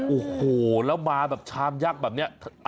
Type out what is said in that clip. โอ้โหแล้วมาแบบชามยักษ์แบบนี้